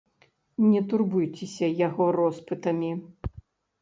Не турбуйцеся яго роспытамі.